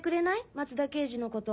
松田刑事のこと。